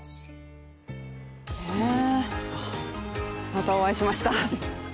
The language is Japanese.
またお会いしました。